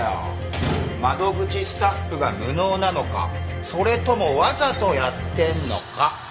窓口スタッフが無能なのかそれともわざとやってんのか？